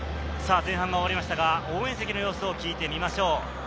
前半が終わりましたが、応援席の様子を聞いてみましょう。